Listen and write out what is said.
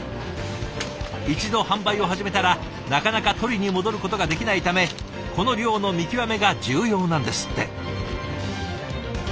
一度販売を始めたらなかなか取りに戻ることができないためこの量の見極めが重要なんですって。